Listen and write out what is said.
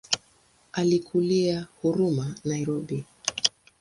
Alikulia Huruma Nairobi.